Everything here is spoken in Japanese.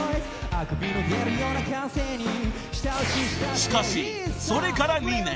［しかしそれから２年］